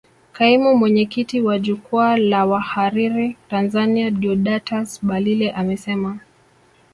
Kaimu mwenyekiti wa jukwaa la wahariri Tanzania Deodatus Balile amesema